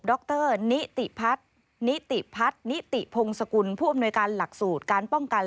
ดรนิติพัทนิติพงศกุลผู้อำนวยการหลักสูตรการป้องกัน